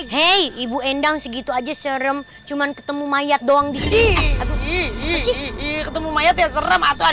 hey ibu endang segitu aja serem cuman ketemu mayat doang dilihat ketemu mayat ya serem atau